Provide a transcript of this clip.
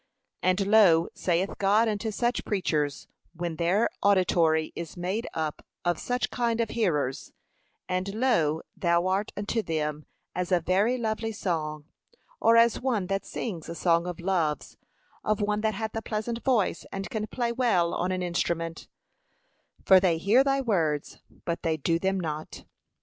And lo, saith God unto such preachers, when their auditory is made up of such kind of hearers, 'And lo, thou art unto them as a very lovely song,' or as one that sings a song of loves, 'of one that hath a pleasant voice, and can play well on an instrument: for they hear thy words but they do them not.'